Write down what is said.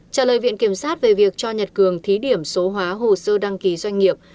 trả lời viện kiểm sát về việc cho nhật cường thí điểm số hóa hồ sơ đăng ký doanh nghiệp